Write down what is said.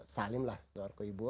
salim lah keluar ke ibu